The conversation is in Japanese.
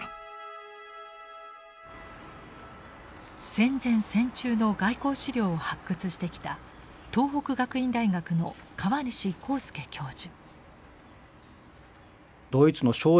戦前戦中の外交史料を発掘してきた東北学院大学の河西晃祐教授。